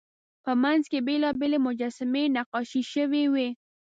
په منځ کې یې بېلابېلې مجسمې نقاشي شوې وې.